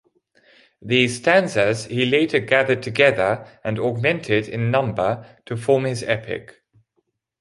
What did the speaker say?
These stanzas he later gathered together and augmented in number to form his epic.